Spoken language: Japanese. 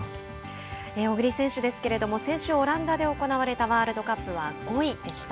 小栗選手ですけれども先週オランダで行われたワールドカップは５位でした。